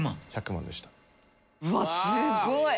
うわっすごい！